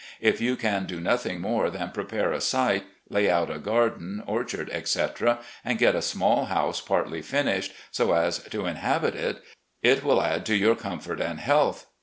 If you can do nothing more than prepare a site, lay out a garden, orchard, etc. , and get a small house partly finished, so as to inhabit it, it will add to your comfort and health.